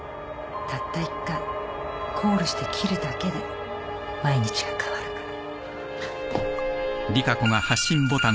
たった１回コールして切るだけで毎日が変わるから。